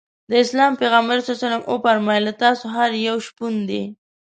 د اسلام پیغمبر ص وفرمایل له تاسو هر یو شپون دی.